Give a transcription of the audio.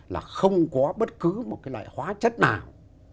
là không có bất cứ một cái loại hóa chất nào